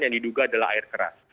yang diduga adalah air keras